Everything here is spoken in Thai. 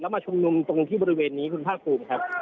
มาชุมนุมตรงที่บริเวณนี้คุณภาคภูมิครับ